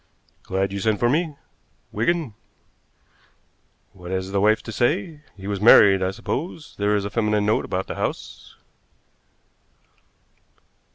"Glad you sent for me, Wigan. What has the wife to say? He was married, I suppose? There is a feminine note about the house."